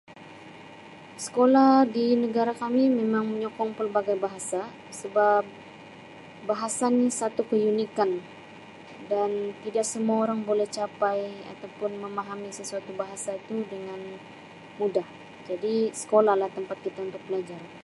Sekolah di negara kami memang menyokong pelbagai bahasa sebab bahasa ni satu keunikan dan tidak semua orang boleh capai atau pun memahami sesuatu bahasa itu dengan mudah, jadi sekolah lah tempat untuk belajar